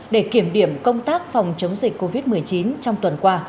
để kiểm điểm công tác phòng chống dịch covid một mươi chín trong tuần qua